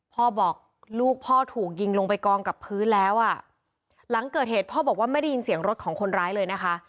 พ่อบอกลูกพ่อถูกยิงลงไปกองกับพื้นแล้วอ่ะหลังเกิดเหตุพ่อบอกว่าไม่ได้ยินเสียงรถของคนร้ายเลยนะคะ